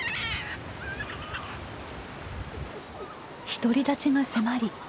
独り立ちが迫り